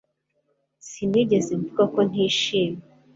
Sinigeze mvuga ko ntishimye